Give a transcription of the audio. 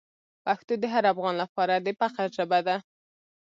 پښتو د هر افغان لپاره د فخر ژبه ده.